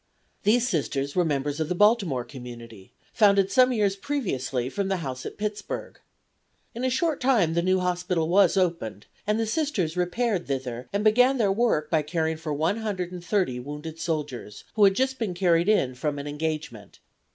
These Sisters were members of the Baltimore Community, founded some years previously from the house at Pittsburg. In a short time the new hospital was opened, and the Sisters repaired thither, and began their work by caring for one hundred and thirty wounded soldiers, who had just been carried in from an engagement.